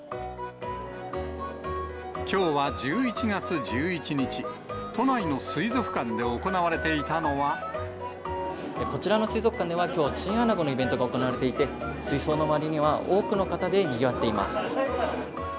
きょうは１１月１１日、こちらの水族館では、きょう、チンアナゴのイベントが行われていて、水槽の周りには多くの方でにぎわっています。